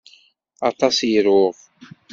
Aṭas i ruɣ.